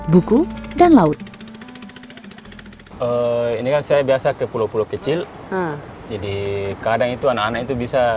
buku dan laut